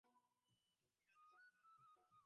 ঠিক আছে, সুন্দর।